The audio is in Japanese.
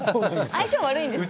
相性悪いんですか？